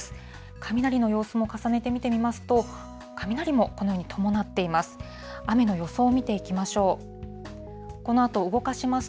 雷の様子も重ねて見てみますと、雷もこのように伴っています。